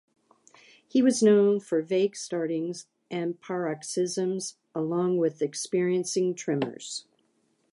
He was known for "vague 'startings' and 'paroxysms'", along with experiencing tremors.